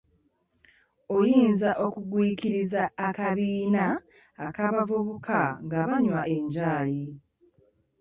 Oyinza okugwikiriza akabiina k'abavubuka nga banywa enjaaye.